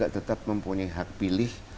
tetap mempunyai hak pilih